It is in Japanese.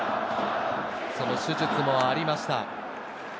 手術もありました。